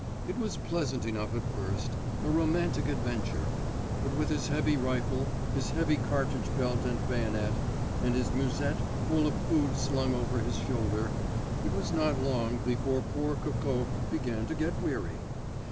It was pleasant enough at first, a romantic adventure; but with his heavy rifle, his heavy cartridge belt and bayonet, and his musette full of food slung over his shoulder, it was not long before poor Coco began to get weary.